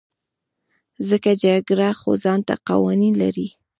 ځکه جرګه خو ځانته قوانين لري .